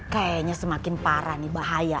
kayaknya semakin parah nih bahaya